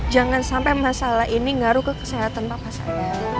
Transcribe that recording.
jangan sampai masalah ini ngaruh ke kesehatan papa saya